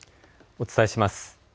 お伝えします。